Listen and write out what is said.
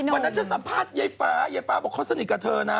วันนั้นฉันสัมภาษณ์ยายฟ้ายายฟ้าบอกเขาสนิทกับเธอนะ